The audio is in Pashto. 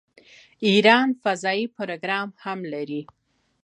ایران فضايي پروګرام هم لري.